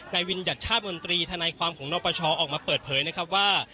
นายวิญญัติชาติมนตรีทคนปชออกมาเปิดเผยว่า